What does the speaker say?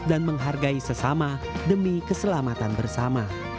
menghargai sesama demi keselamatan bersama